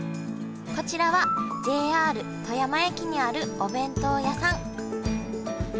こちらはＪＲ富山駅にあるお弁当屋さん。